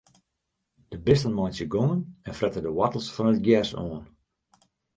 De bisten meitsje gongen en frette de woartels fan it gjers oan.